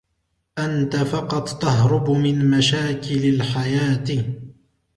أنتَ فقط تهرب من مشاكل الحياة.